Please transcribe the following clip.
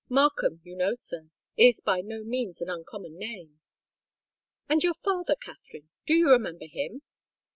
Markham, you know, sir, is by no means an uncommon name." "And your father, Katherine—do you remember him?"